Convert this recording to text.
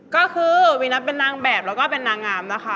ก็คือวีนัทเป็นนางแบบแล้วก็เป็นนางงามนะคะ